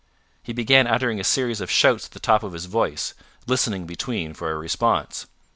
He began uttering a series of shouts at the top of his voice, listening between for a response.